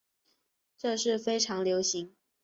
这是非常流行。